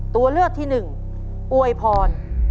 ตัวเลือกที่หนึ่งอวยพร